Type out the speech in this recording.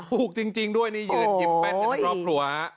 ถูกจริงด้วยนี่ยืนอิ่มแปดกันรอบหัว